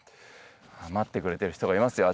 待ってくれてる人がいますよ